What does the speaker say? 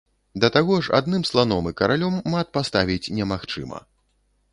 Да таго ж адным сланом і каралём мат паставіць немагчыма.